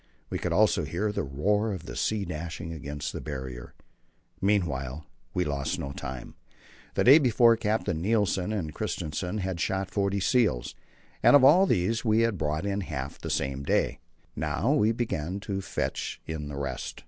We could also hear the roar of the sea dashing against the Barrier. Meanwhile we lost no time. The day before Captain Nilsen and Kristensen had shot forty seals, and of these we had brought in half the same day. We now began to fetch in the rest.